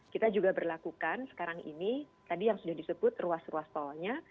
kita juga berlakukan sekarang ini tadi yang sudah disebut ruas ruas tolnya